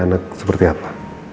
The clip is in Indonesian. anak seperti apa